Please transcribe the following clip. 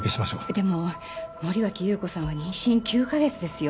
でも森脇裕子さんは妊娠９カ月ですよ。